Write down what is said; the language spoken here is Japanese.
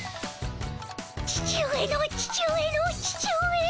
父上の父上の父上。